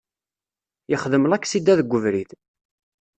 Yexdem laksida deg ubrid.